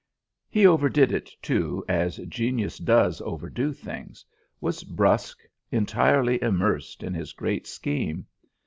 He overdid it, too, as genius does overdo things; was brusque, entirely immersed in his great scheme.